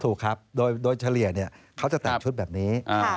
ถูกครับโดยเฉลี่ยเขาจะแต่งชุดแบบนี้